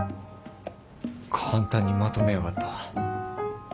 簡単にまとめやがった。